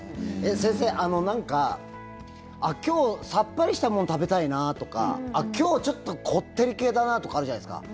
先生、なんか今日さっぱりしたもの食べたいなとか今日ちょっとこってり系だなとかあるじゃないですか。